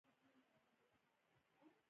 هر کوچنی کاروبار د یوې سترې بریا پیل دی۔